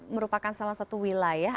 merupakan salah satu wilayah